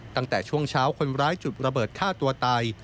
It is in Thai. ตั้งแต่ช่วงเช้าคนร้ายจุดระเบิดฆ่าตัวตาย